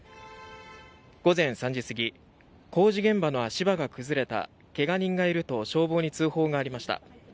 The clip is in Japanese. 午前３時すぎ工事現場の足場が崩れた怪我人がいると消防に通報がありました。